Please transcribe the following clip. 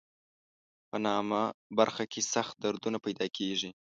په نامه برخه کې سخت دردونه پیدا کېږي.